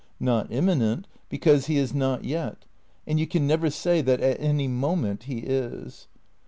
Not immanent, because he is not yet, and you can never say that at any moment he is.